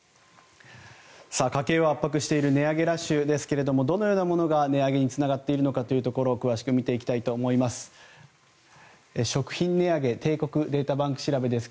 家計を圧迫している値上げラッシュですけれどもどのようなものが値上げにつながっているのか詳しく見ていきたいと思います。